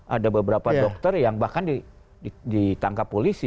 ada beberapa dokter yang bahkan ditangkap polisi